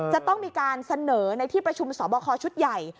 จะต้องมีการเสนอในที่ประชุมสอบคอชุดใหญ่